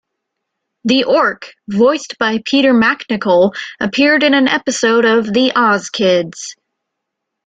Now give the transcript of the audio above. The Ork, voiced by Peter MacNicol, appeared in an episode of "The Oz Kids".